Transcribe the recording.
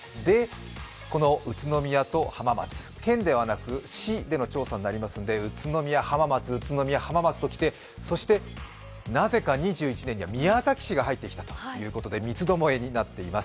この宇都宮と浜松県ではなく市での調査となっていますので宇都宮、浜松、宇都宮、浜松と来てそしてなぜか２１年には宮崎市が入ってきたということで三つどもえになっています。